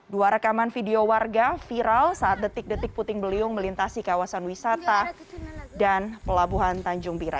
dua rekaman video warga viral saat detik detik puting beliung melintasi kawasan wisata dan pelabuhan tanjung bira